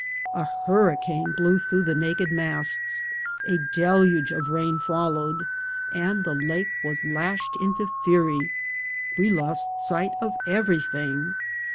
A hurricane blew through the naked masts, a deluge of rain followed, and the lake was lash ed into fury ; we lost sight of everything.